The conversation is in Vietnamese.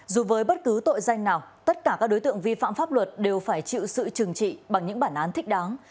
dù với bất cứ tội danh nào tất cả các đối tượng vi phạm pháp luật đều phải chịu sự trừng trị bằng những bản án thích đáng